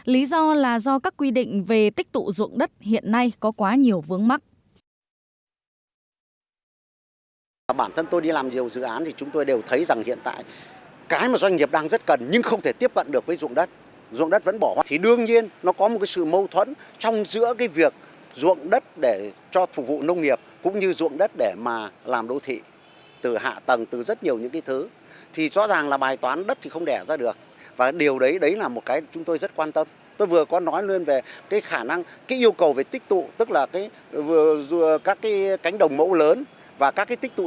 lý do là do các quy định về tích tụ ruộng đất hiện nay có quá nhiều vướng mắc